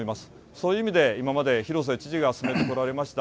そういう意味で、今までひろせ知事が進めてこられました